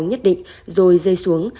nhất định rồi rơi xuống